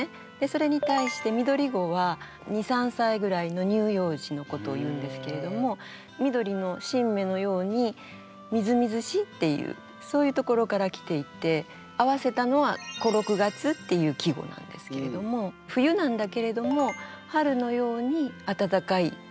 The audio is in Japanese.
それに対してみどりごは２３歳ぐらいの乳幼児のことを言うんですけれども緑の新芽のようにみずみずしいっていうそういうところからきていて合わせたのは「小六月」っていう季語なんですけれども冬なんだけれども春のようにあたたかい日のことを言うんですね。